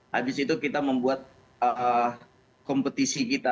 habis itu kita membuat kompetisi kita